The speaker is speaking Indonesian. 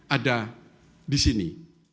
ada di sini